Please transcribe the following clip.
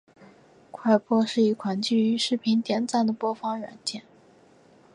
快播是一款基于视频点播的播放软件。